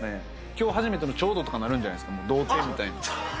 きょう初めてのちょうどとかなるんじゃないですか、同点みたいな。